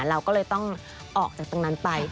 เราก็เลยต้องออกจากตรงนั้นไป